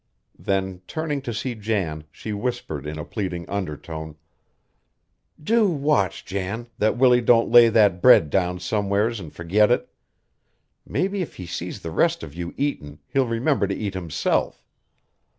Then turning to Jan she whispered in a pleading undertone: "Do watch, Jan, that Willie don't lay that bread down somewheres an' forget it. Mebbe if he sees the rest of you eatin' he'll remember to eat himself.